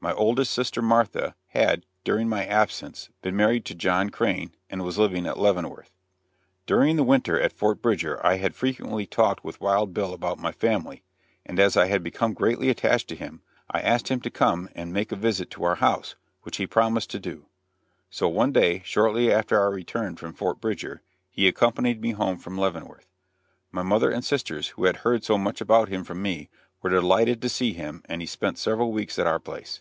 My oldest sister, Martha, had, during my absence, been married to John Crane, and was living at Leavenworth. During the winter at Fort Bridger I had frequently talked with Wild Bill about my family, and as I had become greatly attached to him I asked him to come and make a visit at our house, which he promised to do. So one day, shortly after our return from Fort Bridger, he accompanied me home from Leavenworth. My mother and sisters, who had heard so much about him from me, were delighted to see him and he spent several weeks at our place.